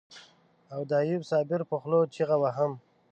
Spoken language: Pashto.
او د ايوب صابر په خوله چيغه وهم.